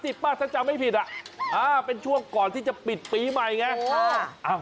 ซักเจ้าไม่ผิดเป็นช่วงก่อนที่จะปิดปีใหม่อย่างนี้